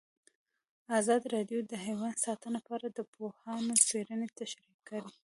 ازادي راډیو د حیوان ساتنه په اړه د پوهانو څېړنې تشریح کړې.